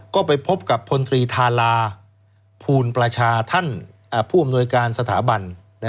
ก็ไปพบกับพลตรีธาราภูลประชาท่านผู้อำนวยการสถาบัน